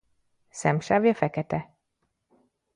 Szemsávja fekete.